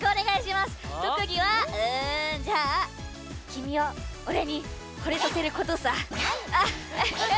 特技は君を俺にほれさせることさ！